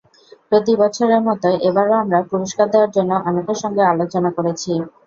প্রতিবছরের মতো এবারও আমরা পুরস্কার দেওয়ার জন্য অনেকের সঙ্গে আলোচনা করেছি।